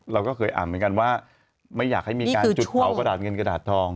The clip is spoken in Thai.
เราก็เคยอ่านเหมือนกันว่าไม่อยากให้มีการจุดเผากระดาษเงินกระดาษทอง